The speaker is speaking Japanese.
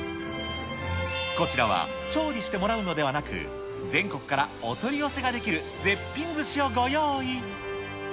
こちらは調理してもらうのではなく、全国からお取り寄せができる絶品ずしをご用意。